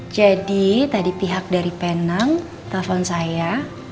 jadi tadi pihak dari penang telepon saya